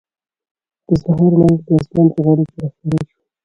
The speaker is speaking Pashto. د سهار وړانګې د اسمان په غاړه کې را ښکاره شوې.